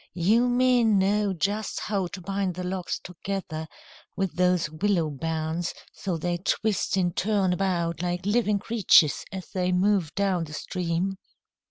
"You men know just how to bind the logs together with those willow bands, so they twist and turn about like living creatures as they move down the stream."